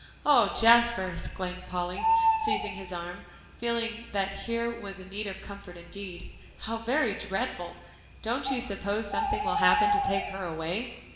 "Oh, Jasper!" exclaimed Polly, seizing his arm, feeling that here was need of comfort indeed, "how very dreadful! Don't you suppose something will happen to take her away?"